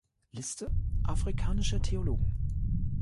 Liste afrikanischer Theologen